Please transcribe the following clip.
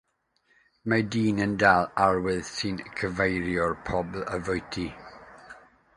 Mae dyn yn dal arwydd sy'n cyfeirio pobl at fwyty.